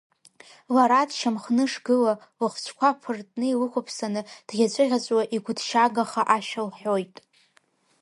Лара дшьамхнышгыла, лыхцәқәа ԥыртны илықәԥсаны, дӷьаҵәыӷьаҵәуа, игәыҭшьаагаха ашәа лҳәоит…